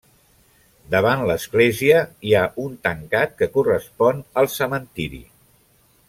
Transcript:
Davant l'església hi ha un tancat que correspon al cementiri.